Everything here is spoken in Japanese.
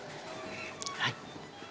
はい。